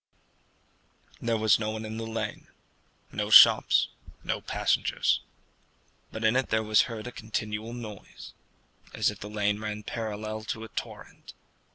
There was no one in the lane no shops, no passengers; but in it there was heard a continual noise, as if the lane ran parallel to a torrent.